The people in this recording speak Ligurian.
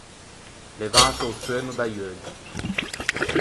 Levâse o seunno da-i euggi.